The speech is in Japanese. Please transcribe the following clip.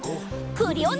クリオネ！